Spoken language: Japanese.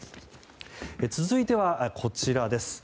続いては、こちらです。